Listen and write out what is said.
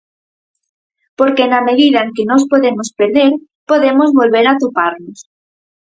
Porque na medida en que nos podemos perder, podemos volver atoparnos.